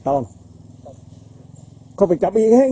เหลืองเท้าอย่างนั้น